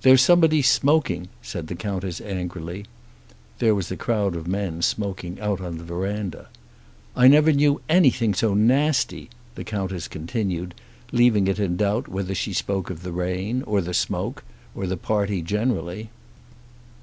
"There's somebody smoking," said the Countess angrily. There was a crowd of men smoking out on the verandah. "I never knew anything so nasty," the Countess continued, leaving it in doubt whether she spoke of the rain, or the smoke, or the party generally.